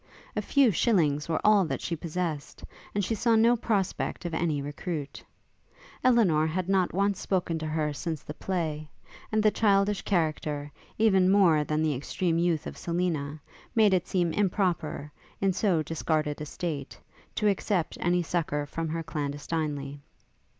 A few shillings were all that she possessed; and she saw no prospect of any recruit. Elinor had not once spoken to her since the play; and the childish character, even more than the extreme youth of Selina, made it seem improper, in so discarded a state, to accept any succour from her clandestinely.